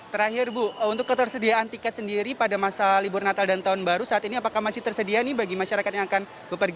terakhir bu untuk ketersediaan tiket sendiri pada masa libur natal dan tahun baru saat ini apakah masih tersedia bagi masyarakat yang akan bekerja